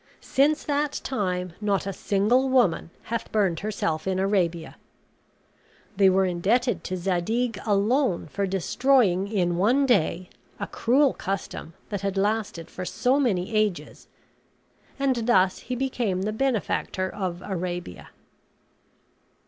Since that time not a single woman hath burned herself in Arabia. They were indebted to Zadig alone for destroying in one day a cruel custom that had lasted for so many ages and thus he became the benefactor of Arabia.